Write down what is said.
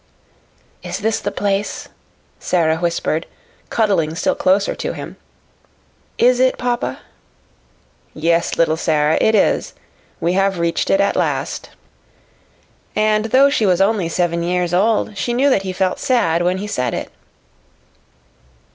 "Is this the place?" Sara whispered, cuddling still closer to him. "Is it, papa?" "Yes, little Sara, it is. We have reached it at last." And though she was only seven years old, she knew that he felt sad when he said it.